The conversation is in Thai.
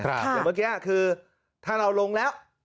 อย่างเมื่อกี้คือถ้าเราลงแล้ว